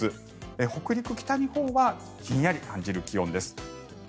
北陸、北日本はひんやりと感じる気温です。